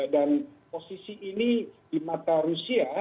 dan posisi ini di mata rusia